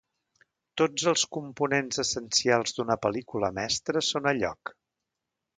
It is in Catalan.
Tots els components essencials d'una pel·lícula mestra són a lloc.